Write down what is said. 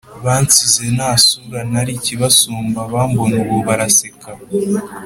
Bansize nta sura Nari ikibasumba Abambona ubu baraseka